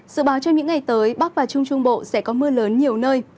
sự báo trong những ngày tới bắc và trung trung bộ sẽ có mưa lớn nhiều nơi